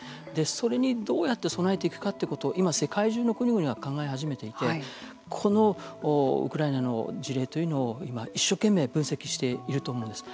それにどうやって備えていくかということを今、世界中の国々が考え始めていてこのウクライナの事例というのを今一生懸命分析していると思うんです。